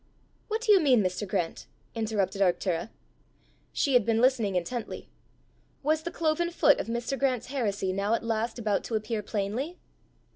"What do you mean, Mr. Grant?" interrupted Arctura. She had been listening intently: was the cloven foot of Mr. Grant's heresy now at last about to appear plainly?